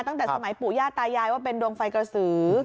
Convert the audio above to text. ตั้งแต่สมัยปู่ย่าตายายว่าเป็นดวงไฟกระสือ